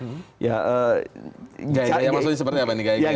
gaya gaya maksudnya seperti apa nih